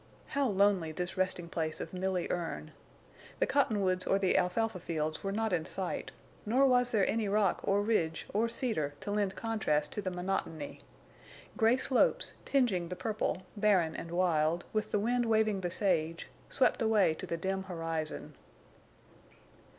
How lonely this resting place of Milly Erne! The cottonwoods or the alfalfa fields were not in sight, nor was there any rock or ridge or cedar to lend contrast to the monotony. Gray slopes, tinging the purple, barren and wild, with the wind waving the sage, swept away to the dim horizon.